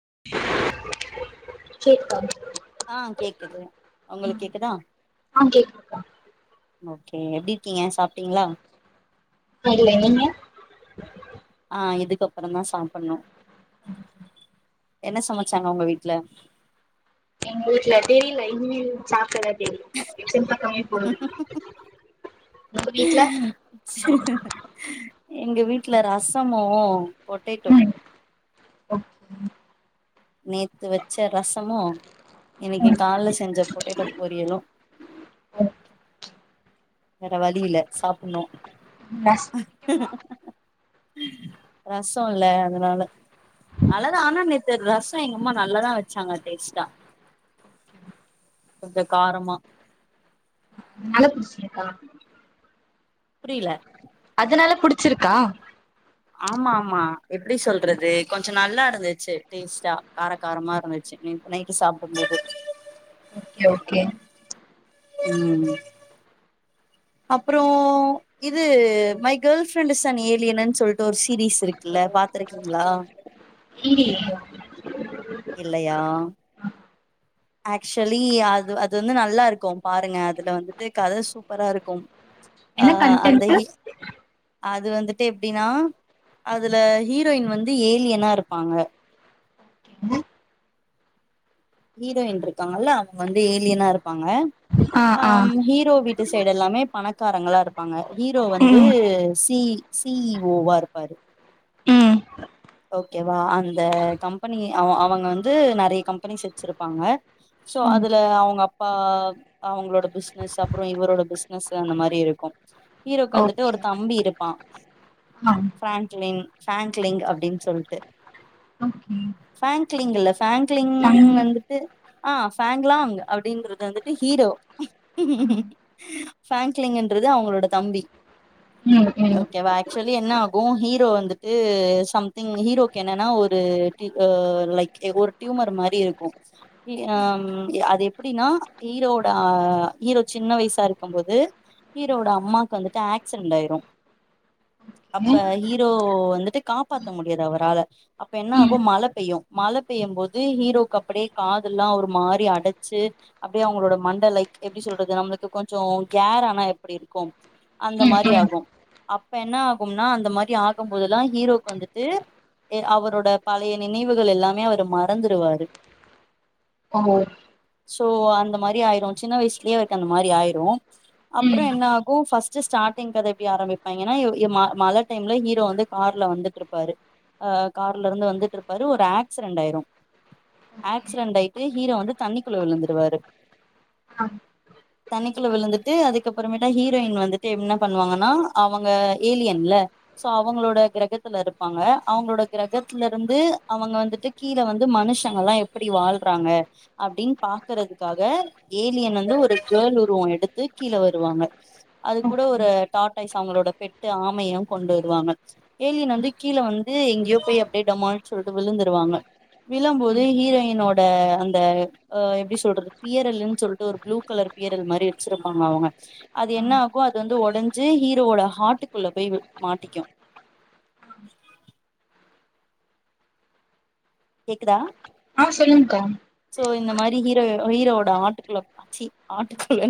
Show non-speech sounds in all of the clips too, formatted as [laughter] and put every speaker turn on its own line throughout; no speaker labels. [unintelligible]
ஆ கேக்குது உங்களுக்கு கேக்குதா
ஆ கேக்குதுக்கா
ஓகே எப்டிருக்கீங்க சாப்
[unintelligible]
ஆ இதுக்கப்புறந்தா சாப்பிடணு
அம் [inaudible]
என்ன சமச்சாங்க உங்க வீட்ல
எங்க வீட்டுல [unintelligible] இன்னு சாப்பல்ல [unintelligible] உங்க வீட்டுல
எங்க வீட்ல ரசமு பொட்டேட்டோ
ஓக்
நேத்து வச்ச ரசமு இன்னைக்கு கால்ல செஞ்ச பொட்டேட்டோ பொரியலு வேற வழியில சாப்பின்ணு
ரஸ்
ரசோ இல்ல அதனால ஆ [unintelligible] ஆனா நேத்து ரஸ் [unintelligible] எங்க அம்மா நல்லாதா வச்சாங்க டேஸ்டா கொஞ்ச காரமா
நல்ல புச்சிருக்கா
புரியல
அதனால புடிச்சிருக்கா
ஆமா ஆமா எப்டி சொல்றது கொஞ்ச நல்லா இருந்துச்சு டேஸ்டா காரக்காரமா இருந்துச்சு நேத்து நைட்டு சாப்பிடும்போது
ஓகே ஓகே
உ அப்புறோ இது மை கேள்ஃப்ரெண்ட் இஸ் அன் ஏலியனுனு சொல்ட்டு ஒரு சீரிஸ் இருக்குல பாத்திருக்கீங்களா
இந்திலியா
இல்லையா ஆக்சுலி அது அது வந்து நல்லா இருக்கு பாருங்க அதுல வந்துட்டு கத சூப்பரா இருக்கு ஆ
என்ன
அந்த
கன்டென்ட்
ஹி அது வந்துட்டு எப்பிடின்னா அதுல ஹீரோயி வந்து ஏலியனா இருப்பாங்க ஹீரோயின் இருக்காங்கல்ல அவங்க வந்து ஏலியனா இருப்பாங்க
ஆ ஆ
அம் ஹீரோ வீட் ட்டு சைடு எல்லாமே பணக்காரங்களா இருப்பாங்க ஹீரோ வந்து
ம்
சி சியிஓவா இருப்பாரு
ம்
ஓகேவா அந்த கம்பெனி அவ அவங்க வந்து நெறைய கம்பெனிஸ் வச்சிருப்பாங்க சோ அதுல அவங்க அப்பா அவங்களோட பிஸ்னஸ் அப்புறோ இவரோட பிஸ்னஸ் அந்த மாரி இருக்கு ஹீரோக்கு வந்துட்டு
ஓகே
ஒரு தம்பி இருக் பா
ஆ
ஃபிரான்டிலிங்க ஃபிரங்கலிங் அப்டின் சொல்ட்டு
ஓகே
ஃபேங்கிலிங் இல்ல ஃபேங்க்லிங்
ஃபைனலி
வந்துட்டு ஆ ஃபேங்க்லாங் அப்பிடின்றது வந்துட்டு ஹீரோ
ஆ ம்
ஃபேங்கிலிங்ன்றது அவங்களோட தம்பி
ம் ஓகே ம்
ஓகேவா ஆக்சுலி என்ன ஆகு ஹீரோ வந்துட்டு சம் திங் ஹீரோக்கு என்னன்னா ஒரு டி ஆ லைக் டியுமர் மாரி இருக்கு இ ஏம் அது எப்பிடினா ஹீரோவோட ஆ ஹீரோ சின்ன வயசா இருக்கு போது ஹீரோவோட அம்மாக்கு வந்துட்டு ஆக்சிரன்ட் ஆயிரு அப்ப
ம்
ஹீரோ வந்துட்டு காப்பாத் த்த முடியாது அவரால அப்ப என்ன
ம்
ஆகு மழ பெய்யு மழ பெய்ய போது ஹீரோக்கு அப்பிடியே காது எல்லா ஒரு மாரி அடச்சி அப்பிடியே அவங்களோட மண்டா லைக் எப்பிடி சொல்லறது நம்லுக்கு கொஞ்சோ கேரானா எப்பிடி இருக்கு அந்த மாரி ஆகு அப்ப என்ன ஆகும்னா அந்த மாரி ஆகம் போதல்லா ஹீரோக்கு வந்து து அவரோட பழைய நினைவுகள் எல்லாமே அவரு மறந்துருவாரு
ஓ
சோ அந்த மாரி ஆயிரு சின்ன வயசிலியே அவருக்கு அந்த மாரி ஆயிரு அப்புறோ
ம்
என்ன ஆகு ஃபஸ்ட் ஸ்டார்ட்டிங் கத எப்டி ஆரம்பிப்பாயிங்கனா எ ம மழ டைம்ல ஹீரோ வந்து கார்ல வந்து ட்ருப்பாரு ஆ கார்ல இருந்து வந்துட்டு இருப்பாரு ஒரு ஆக்சிரென்ட் ஆயிரும்
ஓகே
ஆக்சிரென்ட் ஆயிட்டு ஹீரோ வந்து தண்ணிக்குள்ள விழுந்துருவாரு
ஆ
தண்ணிக்குள்ள விழுந்துட்டு அதுக்கப்புறமேட்டா ஹீரோயின் வந்துட்டு என்ன பண்ணுவாங்கனா அவங்க ஏலியன் இல்ல சோ அவங்களோட கிரக த்ல இருப்பாங்க அவங்களோட கிரகத்துல இருந்து அவங்க வந்துட்டு கீழ வந்து மனுஷங்க எல்லா எப்பிடி வாழ்றாங்க அப்டின் பாக்குறதுக்காக ஏலியன் வந்து ஒ கேள் உருவோ எடுத்து கீழ வருவாங்க அது கூட
ஓகே
ஒரு டாட்டாய்ஸ் அவங்களோட பெட்டு ஆமை யு கொண்டு வருவாங்க ஏலியன் வந்து கீழ வந்து எங்கேயோ போய் அப்டியே டாமல்னு சொல்ட்டு விழுந்துருவாங்க விழம் போது ஹீரோயின்னோட அந்த ஆ எப்பிடி சொல்லறது பியாரெல்லான்னு சொல்ட்டு புளு கலர் பியரல் மாரி வச்சிருப்பாங்க அவங்க அது என்னாகு அது வந்து ஒடஞ்சி ஹீரோவோட ஹார்ட்குள்ள போய்மாட்டிக்கு [inaudible] கேக்குதா
ஆ சொல்லுங்க்கா
இப்போ இந்த மாரி ஹீரோ ஹீரோட ஆட்டுக்குள்ள ஆட்டுக்குள்ள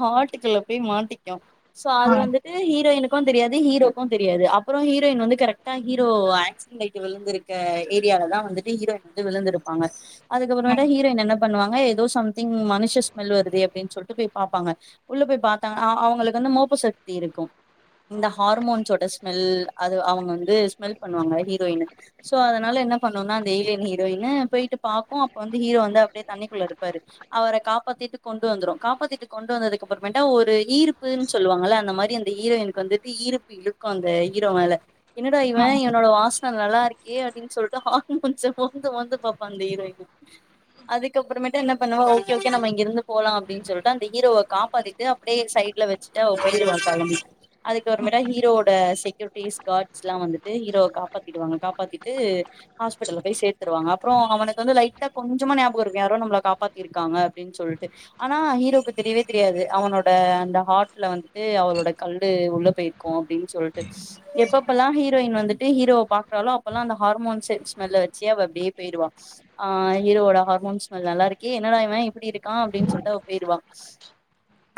ஹட்டுக்குள்ள போய் மாட்டிக்கு சோ
ஆ
அது வந்துட்டு ஹீரோயின்க் க்கு தெரியாது ஹீரோக்கு தெரியாது அப்புறோ ஹீரோயின் வந்து கரெக்டா ஹீரோ ஆக்சடன்ட்டாய்ட்டு விழு க்க ஏரியாலதா வந்துட்டு ஹீரோயின் வந்து விழுந்திருப்பாங்க அதுக்கப்பமேட்டு ஹீரோயின் என்ன பண்ணுவாங்க எதோ சம்திங் மனுஷ ஸ்மெல் வருதே அப்டின் சொல்ட்டு போய் பாப்பாங்க உள்ள போய் பாத்தாங்க் அ அவங்களுக்கு வந்து மோப்ப சத்தி இருக்கு இந்த ஹார்மோன்ஸோட ஸ்மெல் அது அவங்க வந்து ஸ்மெல் பண்ணுவாங்க ஹீரோயின்னு சோ அதனால என்ன பண்ணுவோம்னா அந்த ஏயலியன் ஹீரோயின்னு போயிட்டு பாக்கு அப்ப வந்து ஹீரோ வந்து அப்பிடியே தண்ணிக்குள்ள இருப்பாரு அவர காப்பாத்திட்டு கொண்டு வந்துரு காப்பாத்திட்டு கொண்டு வந்ததுக்கு அப்புறமேட்டா ஒரு ஈர்ப்புன்னு சொல்லுவாங்கல்ல அந்த மாரி அந்த ஹீரயின்கக்கு வந்துட்டு ஈரப்பு இழுக்கு அந்த ஹீரோ மேல என்னடா
ஆ
இவ இவனோட வாச ந நல்லா இருக் கே அப்டின் சொல்ட்டு ஹார்மோன்ஸ் மொந்து மொந்து பாப்பா அந்த ஹீரோயினு அதுக்கப்புறமேட் என்ன பண்ணுவ ஓகே ஓகே நம்ம இங்க இருந்து போலா அப்டின் சொல்ட்டு அந்த ஹீரோவ காப்பாத்திட்டு அப்டியே சைடுல வச்சிட்டு போய்ருவா கெளம்பி அதுக்கப்புறமேட்டா ஹீரோட செக்யூரிட்டிஸ் காட் எல்லா வந்துட்டு ஹீரோவ காப்பாத்திடுவாங்க காப் ப்பாதிட்டு ஹாஸ்பிட்டல போய் சேத்தருவாங்க அப்புறோ அவனுக்கு வந்து லைட்டா கொஞ்சமா ஞாபகம் இருக்கு யாரோ நம்மள காப்பாத்திருக்காங்க அப்பிடின் சொல்ட்டு ஆனா ஹீரோக்கு தெரியவே தெரியாது அவனோட அந்த ஹார்ட்ல வந்துட்டு அவளோட கல்லு உள்ள போயிருக்கு அப்டின் சொல்லிட்டு எப்பபெல்லா ஹீரோயின் வந்துட்டு ஹீரோ பாக்குறாலோ அப்பெல்லா அந்த ஹார்மோன்ஸ் ஸ்மல்ல வச்சே அவ அப்டியே போயிருவா ஆ ஹரோட ஹார்மோன்ஸ் ஸ்மெல்ல நல்லா இருக்கு என்னடா இவ இப்டி இரு க்கா அப்டின் சொல்ட்டு அவ போயிருவா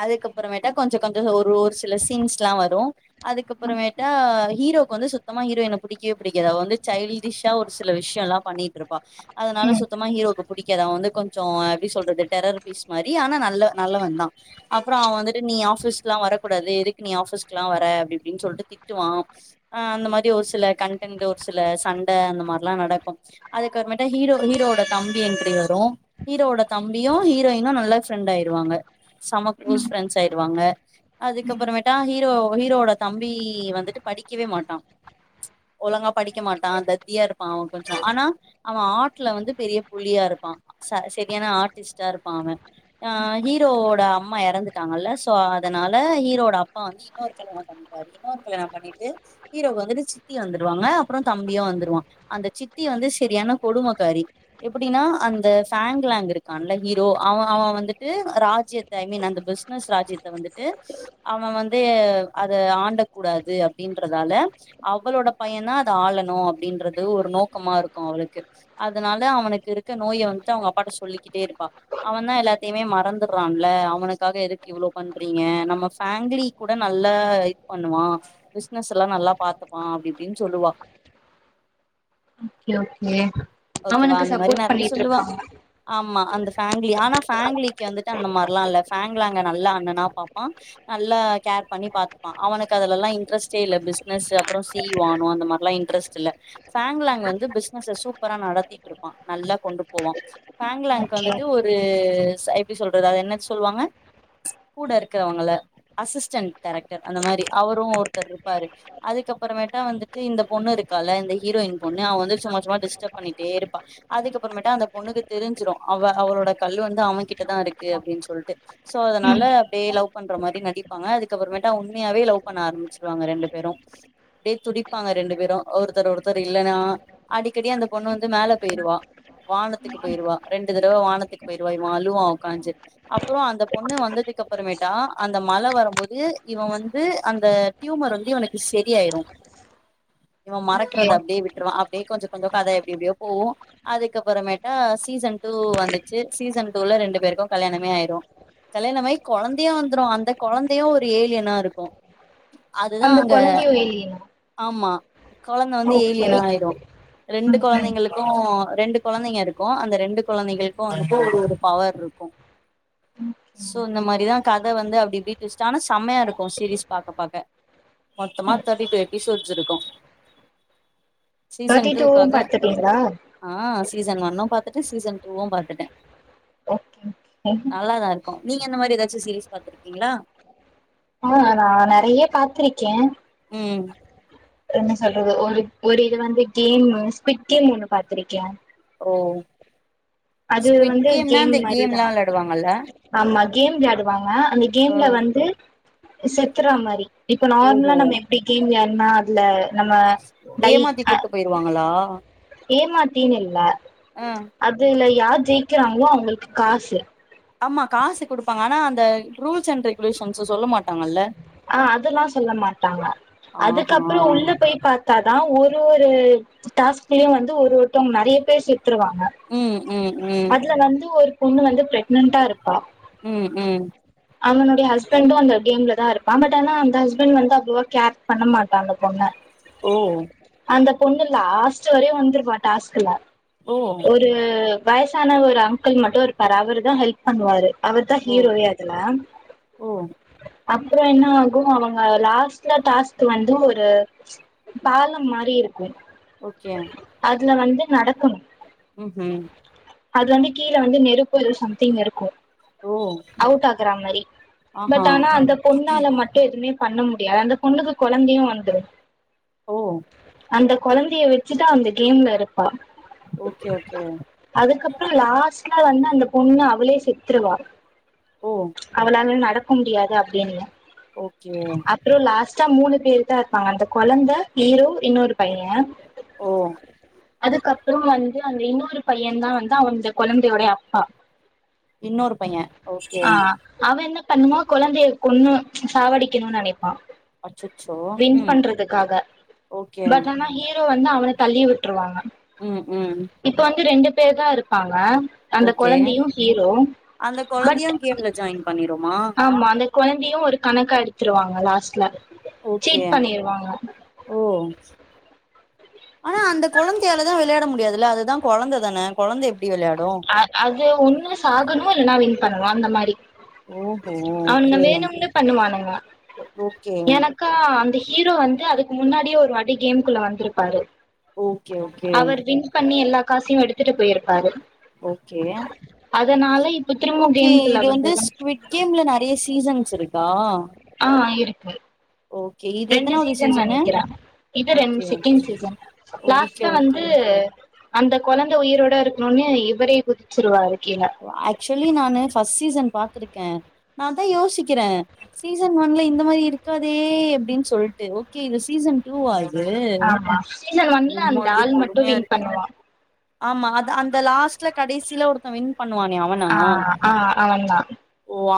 அதுக்கப்புறமேட்டா கொஞ்ச கொஞ்ச ஒரு ஒரு சில சீன்ஸ்ல்லா வரு
ம்
அதுக்கப்புறமேட்டா ஹீரோக்கு வந்து சுத்தமா ஹீரோயன புடிக்கவே புடிக்காது அவ வந்து சைல்டிஷ்ஷா ஒரு சில விஷ்யோ எல்லா பண்ணிட்டு இருப்பா அதனால சுத்தமா ஹீரோக்கு புடிக் க்காது அவ வந்து கொஞ்சோ எப்டி சொல்றது டெரர் பீஸ் மாரி ஆனா நல்ல நல்ல வந்தா அப்புறோ அவ வந்துட்டு நீ ஆபீஸ்ல்லா வரக்கூடாது எதுக்கு நீ ஆபீஸ்ல்லா வர அப்டி இப்பிடின் சொல்ட்டு திட்டுவா அ அந்த மாரி ஒரு சில கண்டன்ட் சில சண்ட அந்த மாரி நடக்கு அதுக்கறே மேட்டு ஹீரோட தம்பி என்ட்ரி வரு ஹீரோட தம்பியு ஹீரோயினு நல்ல ஃப்ரெண்ட் ஆயிருவாங்க சம குளோஸ்
ம்
ஃப்ரெண்ட் ஆயிருவாங்க
ம்
அதுக்கப்புறமேட்டா ஆ ஹீரோவோட தம்பி வந்துட்டு படிக்கவேமாட்டா ஒழுங்கா க்க மாட்டா
ம்
தத்தியா இருப்பா அவ கொஞ்சோ ஆனா அவ ஆர்ட்ல வந்து பெரிய புலியா இருப்பா ச செரியான ஆர்ட்டிஸ்ட்டா இருப்பா அவ ஆ
ஓகே
ஹீரோட அம்மா எறந்துட்டாங்கல்ல சோ அதனால ஹீரோவோட அப்பா வந்து இன்னொரு கல்யாணோ பண்ணிப்பாரு இன்னொரு கல்யாணோ பண்ணிட்டு ஹீரோக்கு வந்துட்டு சித்தி வந்துடுவாங்க அ அப்புற தம்பியு வந்துருவா அந்த சித்தி வந்து செரியான கொடுமக்காரி எப்பிடின்னா அந்த ஃபேங்லாங் இருக்கான்ல ஹீரோ அவ அவ வந்துட்டு ராஜ்யத்த ஐ மீன் அந்த பிஸ்னஸ் ராஜ்யத்த வந்துட்டு அவ வந்து அத ஆண்டக்கூடாது அப்டின்றதால அவளோட பையந்தா ஆளணு அப்டின்றது ஒரு நோக்கமா இருக்கு அவளுக்கு அதனால அவனுக்கு இருக்க நோய வந்ட்டு அவங்க அப்பாட்ட சொல்லிக்கிட்டே இருப்பா அவந்தா எல்லாத்தையுமே மறந்துர்றான்ல அவனுக்காக எதுக்கு இவ்ளோ பண்றீங்க நம்ம ஃபேங்லி கூட நல்லா இது பண்ணுவா பிசினஸ் எல்லா நல்லா பாத்தப்பா அப்டி இப்டின்னு சொல்லுவா
ஓகே ஓகே
ஓகேவா
அவனுக்கு
அந்த மாரி
சப்போர்ட்
நெறைய சொல்லுவா
பண்ணிட்ருப்பாங்க
ஆமா அந்த ஃபேங்லி ஆனா ஃபேங்லிக்கு வந்துட்டு அந்த மாரலா இல்ல ஃபேங்லாங்க நல்ல அண்ணனா பாப்பா நல்லா கேர் பண்ணி பாத்துப்பா அவனுக்கு அதுல எல்லா இன்ட்ரெஸ்ட்டே இல்ல பிசினஸ் அப்புறோ சி இ ஓ ஆவணு அந்த மாரிலா இன்ட்ரெஸ்ட் இல்ல ஃபேங்லாங் வந்து பிஸ்னஸ சூ ப்பரா நடத்திட்ருப்பா நல்லா கொண்டு போவா ஃபேங்லாங்க்கு
ஓகே
வந்துட்டு ஒரு ச எப்டி சொல்றது அது என்ன சொல்வாங்க கூட இருக்கறவங்கள அசிஸ்டண்ட் கேரக்டர் அந்த மாரி அவரு ஒருத்தர் இருப்பாரு அதுக்கப்புறமேட்ட வந்துட்டு இந்த பொண்ணு இருக்கால்ல இந்த ஹீரோயின் பொண்ணு அவ வந்து சும்மா சும்மா டிஸ்டப் பண்ணிட்டே இருப்பா அதுக்கப்புறமேட்டா அந்த பொண்ணுக்கு தெரிஞ்சிரு அவ அவளோட கல்லு வந்து அவன்கிட்டதா இருக்கு அப்டின்னு சொல்ட்டு சோ
ம்
அதனால அப்டியே லவ் பண்ற மாரி நடிப்பாங்க அதுக்கப்புறமேட்டா உண்மையாவே லவ் பண்ண ஆரம்பிச்சிருவாங்க ரெண்டு பேரு அப்டியே துடிப்பாங்க ரெண்டு பேரு ஒருத்தர் ஒருத்தர் இல்லன்னா அடிக்கடி அந்த பொண்ணு வந்து மேல போயிருவா வானத்துக்கு போயிருவா ரெண்டு தடவ வானத்துக்கு போயிருவா இவ அழுவா உக்காஞ்சு அப்புறோ அந்த பொண்ணு வந்ததுக்கு அப்புறமேட்டா அந்த மழ வரும்போது இவ வந்து அந்த டியூமர் வந்து இவனுக்கு செரியாயிரு இவ
ஓகே
மறக்கறத அப்டியே விட்ருவான் அ அப்டியே கொஞ்ச கொஞ்ச கத எப்டி எப்டியோ போவு அதுக்கப்புறமேட்டா சீசன் டூ வந்துச்சு சீசன் டூ ல ரெண்டு பேருக்கு கல்யாணமே ஆயிரு கல்யாணமாயி கொழந்தையு வந்துரு அந்த கொழந்தையு ஒரு ஏலியனா இருக்கு அதுதா
அந்த
அங்க
கொழந்தையு வெளியனா
ஆமா கொழந்த வந்து
ஓகே
ஏலியனா ஆயிரு ரெண்டு
ம்
கொழந்தைங்களுக்கு ரெண்டு கொழந்தைக இருக்கு அந்த ரெண்டு கொழந்தைகளுக்கு வந்துட்டு ஒரு ஒரு பவர் இருக்கு சோ
ம்
இந்த மாரிதா கத வந்து அப்டி இப்டி டுவிஸ்டா ஆனா செம்மையா இருக்கு சீரிஸ் பாக்க பாக்க மொத்தமா தேர்ட்டி டூ எபிசோட்ஸ் இருக்கு சீசன் டூ க்காக
ட்டீங்களா
சன் ஒன்னு பாத்துட்டே சீசன் டூவு பாத்துட்டே
ஓகே ஓகே
நல்லாதா இரு க்கு நீங்க இந்தா மாரி ஏதாச்சு சீரிஸ் பாத்துருக்கீங்களா
ஆ நா நெறைய பாத்திருக்கே
ம்
என்ன சொல்றது ஒரு ஒரு இது வந்து கேமு ஸ்குவிட் கேம் ஒன்னு பாத்திருக்கே
ஓ
அது
ஸ்குவிட்
வந்து
கேம்னா
கேம்
அந்த
மாரிதா
கேம்லா வெளாடுவாங்கல்ல
ஆமா கேம் விளையாடுவாங்க அந்த
ஆ
கேம்ல வந்து செத்துர்றா மாரி இப்ப
ஓஹோ
நார்மலா நம்ம எப்டி கேம் விளையாடு ன்னா அதுல நம்ம டை அ
களா
ஏமாத்தினு இல்ல அதுல யார் ஜெயிக்கிறாங்களோ அவங்களுக்கு காசு
ஆமா காசு குடுப்பாங்க ஆனா அந்த ரூல்ஸ் அண்ட் ரெகுலேஷன்ஸ சொல்ல மாட்டாங்கல்ல
ஆ அதல்லா சொல்ல மாட்டாங்க அதுக்கப்புறோ
ஆஹா
உள்ள போய் பா த்தாதா ஒரு ஒரு டாஸ்க்லயு வந்து ஒரு ஒருத்தவங்க நெறைய பேர் செ த்துருவாங்க
ம் ம் ம்
அதுல வந்து ஒரு பொண்ணு வந்து பிரக்னன்டா இருப்பா
ம் ம்
அவளுடைய ஹஸ்பண்டு அந்த கேம்லதா இரு ப்பா அந்த டைம்ல அந்த ஹஸ்பண்ட் வந்து அவ்ளவா கேர் பண்ண மாட்டா அந்த பொண்ண
ஓ
அந்த பொண்ணு லாஸ்ட் வரையு வந்திருப்பா டாஸ்க்ல
ஓ
ஒரு வயசான ஒரு அங்கிள் மட்டு இருப்பாரு அவுருதா ஹெல்ப் பண்ணுவாரு அவுருதா
ஓ
ஹீரோவே அதுல
ஓ
அ ப்றோ என்ன ஆகு அவங்க லாஸ்ட்ல டாஸ்க் வந்து ஒரு பாலம் மாரி இரு
ஓகே
துல வந்து நடக்கணு
ம் ஹும்
அது வந்து கீழ வந்து நெருப்பு எதோ சம்திங் இருக்கு
ஓ
அவுட் ஆகுற மாரி
ஆஹா
பட் ஆனா அந்த பொண்ணால மட்டு எதுமே பண்ண முடியாது அந்த பொண்ணுக்கு கொழந்தையு வந்துரு
ஓ
அந்த கொழந்தைய வெச்சுட்டு அந்த கேம்ல இரு
ஓகே ஓகே
றோ லாஸ்ட்ல வந்து அந்த பொண்ணு அவளே செத்துருவா
ஓ
அவளால நட க்க முடியாதா கேம்ல
ஓகே
அப்றோ லாஸ் மூனு பேரு தா இருப்பாங்க அந்த கொழந்த ஹீரோ இன்னொரு பைய
ஓ
அதுக்கப்பறோ வந்து அந்த இன்னோரு பையந்தா வந்து அந்த கொழந்தயோட அப்பா
இன்னோரு பைய ஓகே
பண்ணுமா கொழந்தய கொன்னு சாவடிக்கணும்னு நெனப்பா
அச்சச்சோ
வின்
ம்
பண்றதுக்காக
ஓகே
பட் ஆனா ஹீரோ வந்து அவன தள்ளி விட்ருவாங்க
ம் ம்
இப்ப வந்து ரெண்டு இப்டியேதா இருப்பாங்க அந்த
ஓகே
கொழந்தையு ஹீரோ
அந்த
பட்
கொழந்தையு கேம்ல ஜாயின் பண்ணிருமா
ஆமா அந்த கொழந்தையு ஒரு கணக்கா எடுத்துருவாங்க லாஸ்ட்ல
ஓகே
சீட் பண்ணிருவாங்க
ஓ ஆனா அந்த கொழந்தையாலதா விளையாட முடியாதுல்ல அதுதா கொழந்த தான கொழந்த எப்டி விளையாடு
அ அது ஒன்னு சாகணு இல்ல நா வின் பண்ணுவா அந்த மாரி
ஓஹோ
அவனுங்க
ஓகே
வேணுமேனு பண்ணுவானுங்க
ஓகே
எனக்கா அந்த ஹீரோ வந்து அதுக்கு முன்னாடியே ஒரு வாட்டி கேமுகுள்ள வந்திருப்பாரு
ஓகே ஓகே
அவர் வின் பண்ணி எல்லா காசயு எடுத்துட்டு போயிருப்பாரு
ஓகே
அதனால இப்ப திரும்ப
ஓகே
கேம்குள்ள
இது வந்து
வந்தது
ஸ்விட் கேம்ல நெறய சீசன்ஸ் இருக்கா
ஆ [unintelligible]
ஓகே இது
ரெண்டு
எத்தனாவது
சீசன்ல
சீசனு
நெனக்கிறா இது ரெண்டு
ஓகே
செகண்ட் சீசன்
ஓகே
லாஸ்ட்ல
ஓகே
வந்து
ஓகே
அந்த கொழந்த உயிரோட இருக்கணுனு இவரே குதிச்சிருவாரு கீழ
ஆக்சுவலி நானு பஸ்ட் சீசன் பா இருக்கே நா தா யோசிக்கிறே சீசன் ஒன்ல இந்த மாதிரி இருக்காதே அப்டின்னு சொல்ட்டு ஓகே இது சீசன் டூ வா
ஆமா சீசன் ஒன்ல அந்த
அப்டியே
ஆள் மட்டு
கொடுமையா
வின்
இருக்கு
பண்ணுவா
ஆமா அது அந்த லாஸ்ட்ல கடைசியில ஒருத்த வின் பண்ணுவானே அவனா
ஆ ஆ அவந்தா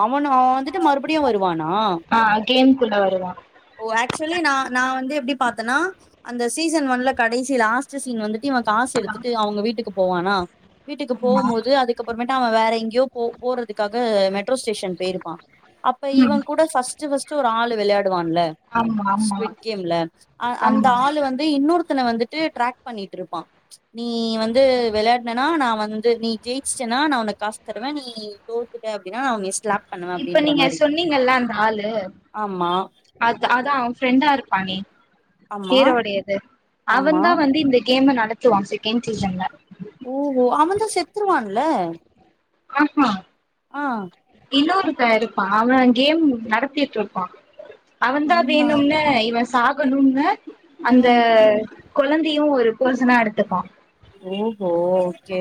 மோனோ வந்துட்டு மறுபடியு வரு வானா
ஆ கேம்குள்ள வருவா
ஓ ஆக்சுலி நா நா வந்து எப்டி பாத்தனா அந்த சீசன் ஒன்ல கடைசில லாஸ்ட் சீன் வந்து இவ காசு எடுத்து தா அவங்க வீட்டுக்கு போவானா வீட்டுக்கு
ஆமா
போம்போது அதுக்கப்புறமேட்ட அவ வேற எங்க யோ போ போறதுக்காக மெட்ரோ ஸ்டேஷன் போயிருப்பா அப்ப
ம்
இவங் கூட ஃபஸ்ட் ஃபஸ்ட் ச்சோ ஒரு ஆள் விளையாட் ட்டுவான் இல்ல
ஆமா ஆமா
சுவீட் கேம்ல அ அந்த
ஆமா
ஆள் வந்து இன்னொரு த்தன வந்துட்டு டிராக் பண்ணிட்டு இருப்பா நீ வந்து விளையாடனனா நா வந்து நீ ஜெயிச்ட்டேனா நா உனக்கு காசு தருவே நீ தோத்துட்ட அப்டின்னா நா உன் இஷ்
இப்ப நீங்க சொன்னீங்கல்ல அந்த ஆளு
ஆமா
அத அதா அவன் ஃப்ரெண்டா இருப்பானே
ஆமா
நீீரோடையது
ஆமா
அவதா வந்து இந்த கே கேம்ம நடத்துவா செகண்ட் சீசன்ல
ல
ஆஹா இன்னொரு க்க இருப்பா அவ கேம் நடத்திட்டு இருப்பா அவதா
என்ன
வேணும்னு இவ சாகணும்னு அந்த
ம்
கொழந்தையு ஒரு போசனா எடுத்துப்பா
ஓஹோ கே